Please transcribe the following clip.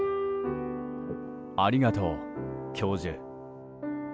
ありがとう、教授。